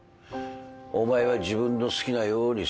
お前は自分の好きなようにすればいい。